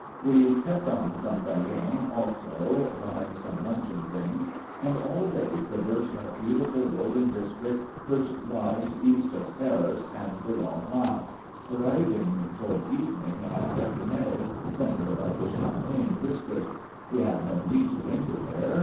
We kept on from Melun, also, after buying some luncheon things, and all day traversed that beautiful rolling district which lies east of Paris and below Rheims, arriving toward evening at Epernay, center of the champagne district. We had no need to linger there.